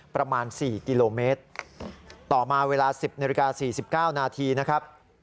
ประมาณสี่กิโลเมตรต่อมาเวลาสิบนิริกาสี่สิบเก้านาทีนะครับ